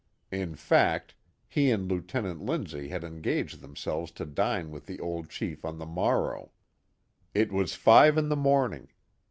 In fact, he and 236 The Mohawk Valley Lieutenant Lindsay had engaged themselves to dine with the J old chief on the morrow. Il was five in the morning.